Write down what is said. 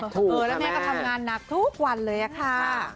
ถูกค่ะแม่แล้วแม่ก็ทำงานนักทุกวันเลยค่ะ